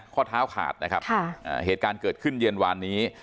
ข้อเท้าขาดนะครับเหตุการณ์เกิดขึ้นเย็นวานนี้